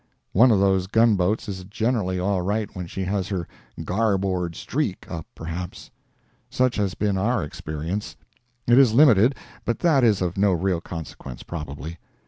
One of those gunboats is generally all right when she has her "garboard streak" up, perhaps. Such has been our experience. It is limited, but that is of no real consequence, probably.